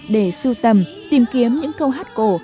để siêu tầm tìm kiếm những câu hát cổ